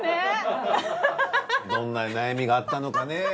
どんな悩みがあったのかね。